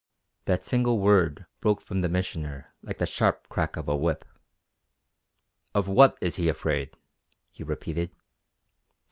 _" That single word broke from the Missioner like the sharp crack of a whip. "Of what is he afraid?" he repeated.